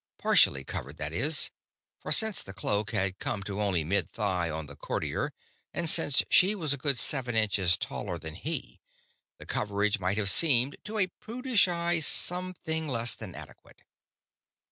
Partially covered, that is; for, since the cloak had come only to mid thigh on the courtier and since she was a good seven inches taller than he, the coverage might have seemed, to a prudish eye, something less than adequate.